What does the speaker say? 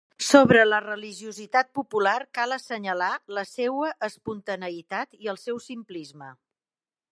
Sobre la religiositat popular cal assenyalar la seua espontaneïtat i el seu simplisme.